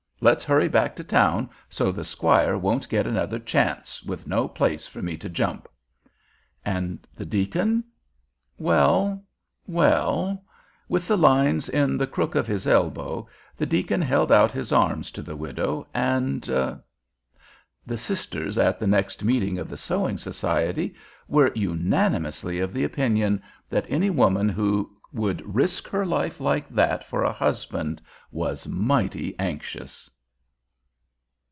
Let's hurry back to town so the squire won't get another chance, with no place for me to jump." And the deacon? Well, well, with the lines in the crook of his elbow the deacon held out his arms to the widow and——. The sisters at the next meeting of the Sewing Society were unanimously of the opinion that any woman who would risk her life like that for a husband was mighty anxious.